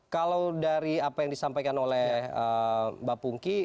kalau dari apa yang disampaikan oleh mbak pungki